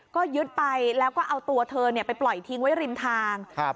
ก็ยึดไปแล้วก็เอาตัวเธอเนี่ยไปปล่อยทิ้งไว้ริมทางครับ